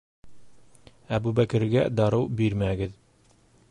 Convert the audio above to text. Әбүбәкергә дарыу бирмәгеҙ...